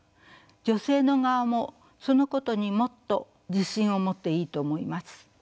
女性の側もそのことにもっと自信を持っていいと思います。